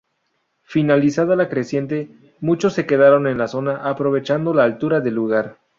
Finalizada la creciente, muchos se quedaron en la zona, aprovechando la altura del lugar.